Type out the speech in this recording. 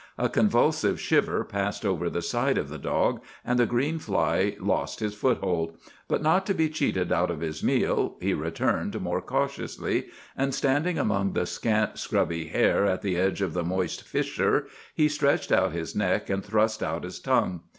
A convulsive shiver passed over the side of the dog and the green fly lost his foothold; but, not to be cheated out of his meal, he returned more cautiously, and, standing among the scant, scrubby hair at the edge of the moist fissure he stretched out his neck and thrust out his tongue.